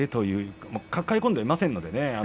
抱え込んでいませんのでね。